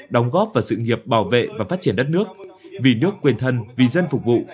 đóng góp vào sự nghiệp bảo vệ và phát triển đất nước vì nước quyền thân vì dân phục vụ